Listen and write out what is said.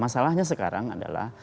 masalahnya sekarang adalah